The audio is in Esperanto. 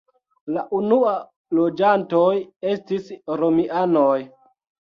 La unua loĝantoj estis romianoj.